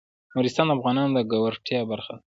نورستان د افغانانو د ګټورتیا برخه ده.